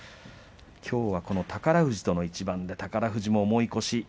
きょうは宝富士との一番で宝富士も重い腰